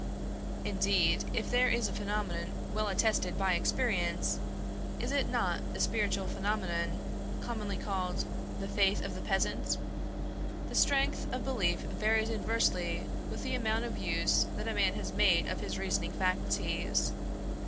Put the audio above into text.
Indeed, if there is a phenomenon well attested by experience, is it not the spiritual phenomenon commonly called "the faith of the peasant"? The strength of belief varies inversely with the amount of use that a man has made of his reasoning faculties.